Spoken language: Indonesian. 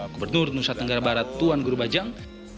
gubernur nusa tenggara barat tuan guru bajang